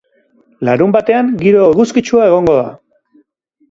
Larunbatean giro eguzkitsua egongo da.